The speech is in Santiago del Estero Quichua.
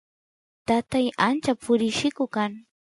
tatay ancha purilliku kan